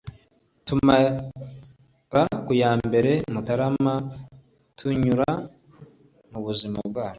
tumara ku ya mbere mutarama tunyura mu buzima bwacu